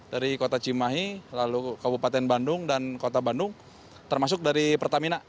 dari kota cimahi lalu kabupaten bandung dan kota bandung termasuk dari pertamina